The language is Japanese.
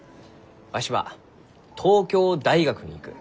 わしは東京大学に行く。